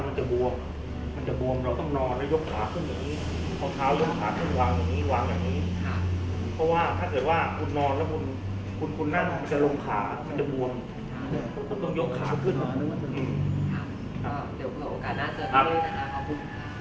มันจะบวมเราต้องนอนแล้วยกขาขึ้นอย่างนี้